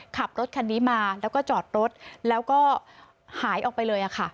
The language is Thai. ขับรถคันนี้มาแล้วก็จอดรถแล้วก็หายออกไปเลยค่ะ